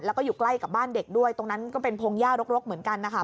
แล้วก็อยู่ใกล้กับบ้านเด็กด้วยตรงนั้นก็เป็นพงหญ้ารกเหมือนกันนะคะ